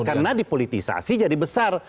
karena dipolitisasi jadi besar